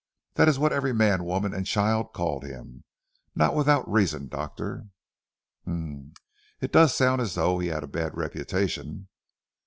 That is what every man woman and child called him, not without reason Doctor." "H'm! It does sound as though he had a bad reputation."